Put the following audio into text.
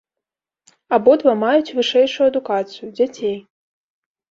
Абодва маюць вышэйшую адукацыю, дзяцей.